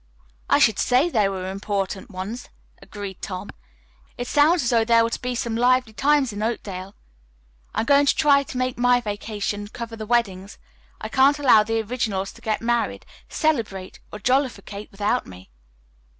"I should say they were important ones," agreed Tom. "It sounds as though there were to be some lively times in Oakdale. I'm going to try to make my vacation cover the weddings. I can't allow the Originals to get married, celebrate or jollificate without me."